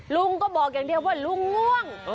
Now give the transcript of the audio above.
ลุงก็บอกอย่างเดียวว่าลุงง่วง